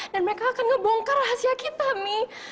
dan mereka akan ngebongkar rahasia kita mi